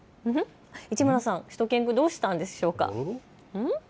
市村さん、しゅと犬くん、どうしたんでしょうか。